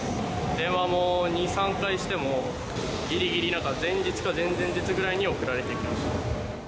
電話も２、３回しても、ぎりぎりなんか、前日か前々日ぐらいに送られてきました。